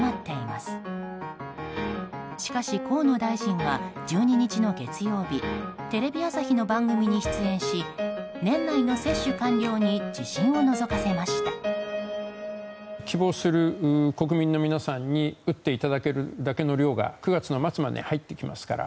しかし、河野大臣は１２日の月曜日テレビ朝日の番組に出演し年内の接種完了に自信をのぞかせました。